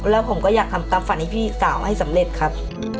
แล้วผมก็อยากทำตามฝันให้พี่สาวให้สำเร็จครับ